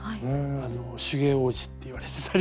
あの手芸王子って言われてたり。